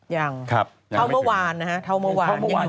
ยังเท่าเมื่อวานนะฮะเท่าเมื่อวานยังอยู่ที่เดิม